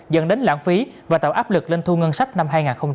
dẫn đến lãng phí và tạo áp lực lên thu ngân sách năm hai nghìn hai mươi ba